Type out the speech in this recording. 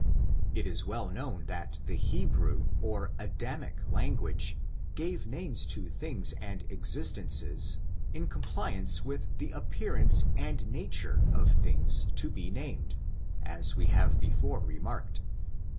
It is well known that the Hebrew, or Adamic lan guage, gave names to things and existences, in com pliance with the appearance and nature of things to be named, as we have before remarked.